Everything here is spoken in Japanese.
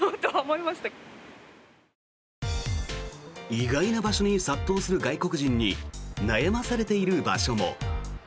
意外な場所に殺到する外国人に悩まされている場所も。